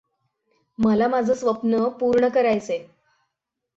मला माझं स्वप्न पूर्ण करायचंय.